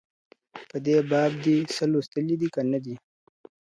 په دې باب دي څه لوستلي دي که نه دي.